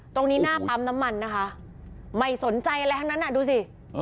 หน้าปั๊มน้ำมันนะคะไม่สนใจอะไรทั้งนั้นดูสิ